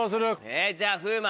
えっじゃあ風磨。